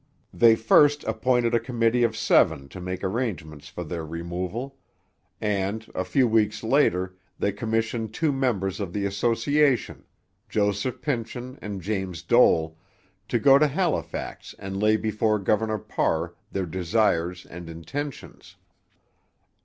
They first appointed a committee of seven to make arrangements for their removal; and, a few weeks later, they commissioned two members of the association, Joseph Pynchon and James Dole, to go to Halifax and lay before Governor Parr their desires and intentions.